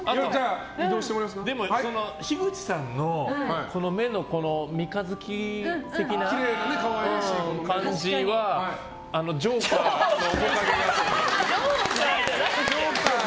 樋口さんの目の三日月的な感じはジョーカーの面影が。